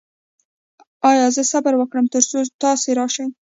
ایا زه صبر وکړم تر څو تاسو راشئ؟